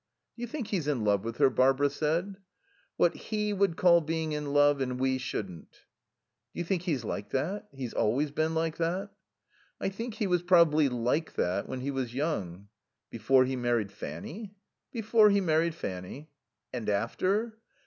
"Do you think he's in love with her?" Barbara said. "What he would call being in love and we shouldn't." "Do you think he's like that he's always been like that?" "I think he was probably 'like that' when he was young." "Before he married Fanny?" "Before he married Fanny." "And after?"